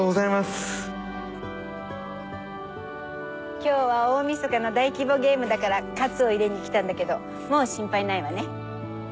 今日は大みそかの大規模ゲームだから活を入れに来たんだけど兎川さん。